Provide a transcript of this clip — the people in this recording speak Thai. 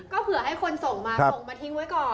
ก็เผื่อให้คนส่งมาส่งมาทิ้งไว้ก่อน